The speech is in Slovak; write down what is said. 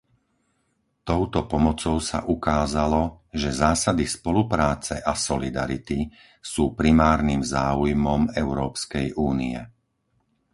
Touto pomocou sa ukázalo, že zásady spolupráce a solidarity sú primárnym záujmom Európskej únie.